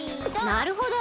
なるほど！